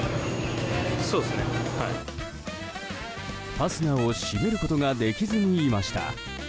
ファスナーを閉めることができずにいました。